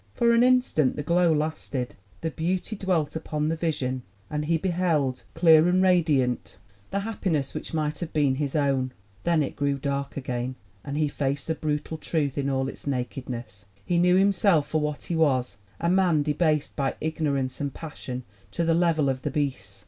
For an instant the glow lasted the beauty dwelt upon the vision, and he beheld, clear and radiant, the hap 38 THE WOMEN WHO MAKE OUR NOVELS piness which might have been his own ; then it grew dark again, and he faced the brutal truth in all its nakedness : he knew himself for what he was a man debased by ignorance and passion to the level of the beasts.